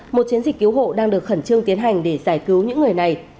một chiến dịch cứu hộ đang được khẩn trương tiến hành để giải cứu những người này